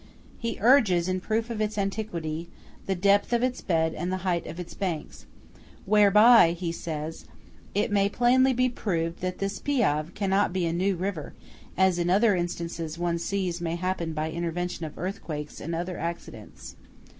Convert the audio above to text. He urges in proof of its antiquity, the depth of its bed and the height of its banks, "whereby," says he, "it may plainly be proved that this Piave cannot be a new river, as in other instances one sees may happen by intervention of earthquakes and other accidents."